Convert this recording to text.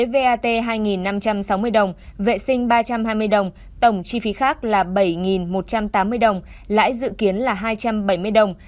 vat hai năm trăm sáu mươi đồng vệ sinh ba trăm hai mươi đồng tổng chi phí khác là bảy một trăm tám mươi đồng lãi dự kiến là hai trăm bảy mươi đồng